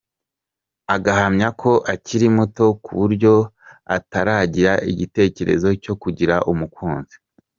Agahamya ko akiri muto kuburyo ataragira igitekerezo cyo kugira umukunzi.